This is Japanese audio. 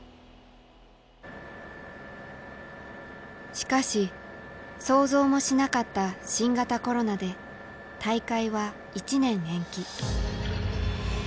しかし想像もしなかった新型コロナで大会は１年延期。